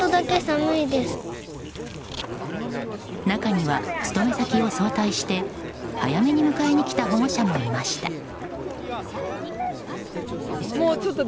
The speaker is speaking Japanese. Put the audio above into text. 中には、勤め先を早退して早めに迎えに来た保護者もいました。